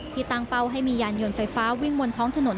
ตั้งเป้าให้มียานยนต์ไฟฟ้าวิ่งบนท้องถนน